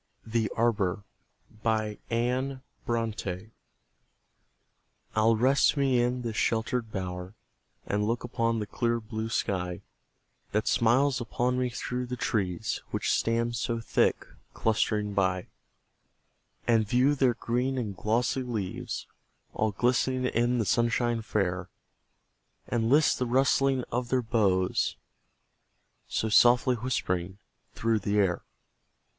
THE ARBOUR. I'll rest me in this sheltered bower, And look upon the clear blue sky That smiles upon me through the trees, Which stand so thick clustering by; And view their green and glossy leaves, All glistening in the sunshine fair; And list the rustling of their boughs, So softly whispering through the air.